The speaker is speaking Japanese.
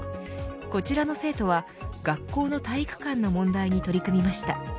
こちらの生徒は学校の体育館の問題に取り組みました。